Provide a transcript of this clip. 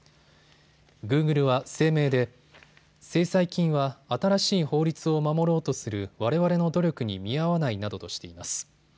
グーグルは声明で制裁金は新しい法律を守ろうとする、われわれの努力に見合わないなどとしています。